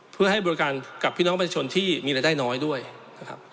เพื่อให้บริการกับพี่น้องประชาชนที่มีรายได้น้อยด้วยนะครับ